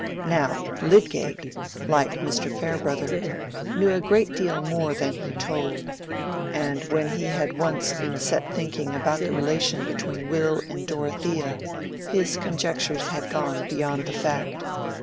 Now Lydgate, like Mr. Farebrother, knew a great deal more than he told, and when he had once been set thinking about the relation between Will and Dorothea his conjectures had gone beyond the fact.